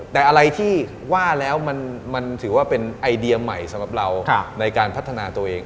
แต่อะไรที่ว่าแล้วมันถือว่าเป็นไอเดียใหม่สำหรับเราในการพัฒนาตัวเอง